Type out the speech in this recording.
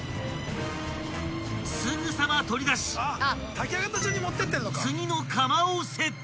［すぐさま取り出し次の釜をセット］